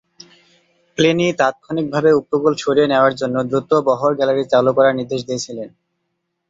Pliny তাত্ক্ষণিকভাবে উপকূল সরিয়ে নেওয়ার জন্য দ্রুত বহর গ্যালারী চালু করার নির্দেশ দিয়েছিলেন।